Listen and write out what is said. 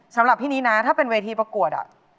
สำหรับพี่นี้นะถ้าเป็นเวทีประกวด